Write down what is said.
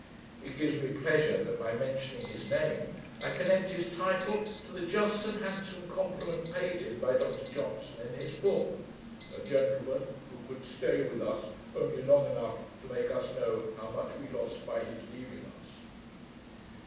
It gives me pleasure that, by mentioning his name, I connect his title to the just and handsome compliment paid him by Dr Johnson, in his book: 'A gentleman who could stay with us only long enough to make us know how much we lost by his leaving us.'